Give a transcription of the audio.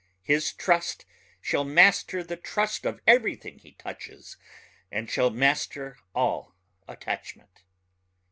His trust shall master the trust of everything he touches ... and shall master all attachment.